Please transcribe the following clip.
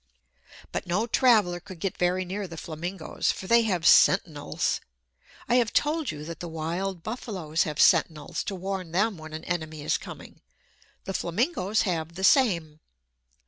But no traveler could get very near the flamingos, for they have sentinels! I have told you that the wild buffaloes have sentinels to warn them when an enemy is coming. The flamingos have the same.